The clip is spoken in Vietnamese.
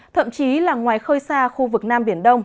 thậm chí là ngoài khơi xa khu vực nam biển đông